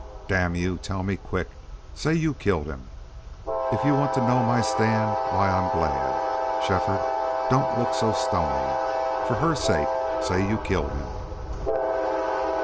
"Damn you! Tell me quick. Say YOU killed him!... If you want to know my stand, why, I'm glad!... Shefford, don't look so stony! ... For HER sake, say you killed him!"